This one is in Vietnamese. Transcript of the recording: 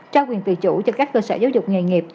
trao quyền tự chủ cho các cơ sở giáo dục nghề nghiệp